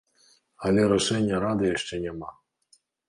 Але рашэння рады яшчэ няма.